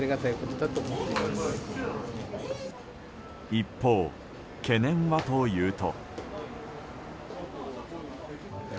一方、懸念はというと。